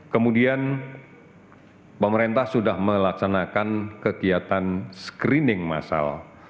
kemudian pemerintah sudah melaksanakan kegiatan screening masal